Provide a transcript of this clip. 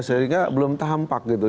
sehingga belum tampak gitu